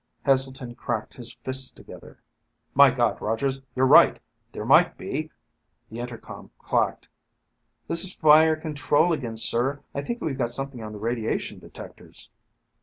Heselton cracked his fists together. "My God, Rogers, you're right! There might be ..." The intercom clacked. "This is fire control again, sir. I think we've got something on the radiation detectors."